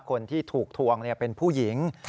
คนที่ถูกทวงเป็นผู้หญิง